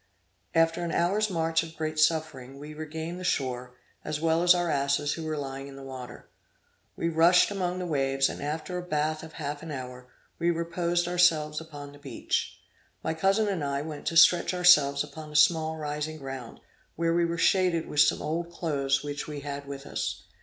After an hour's march of great suffering, we regained the shore, as well as our asses, who were lying in the water. We rushed among the waves, and after a bath of half an hour, we reposed ourselves upon the beach. My cousin and I went to stretch ourselves upon a small rising ground, where we were shaded with some old clothes which we had with us.